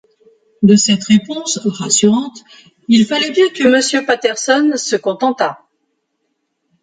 De cette réponse, rassurante, il fallait bien que Monsieur Patterson se contentât.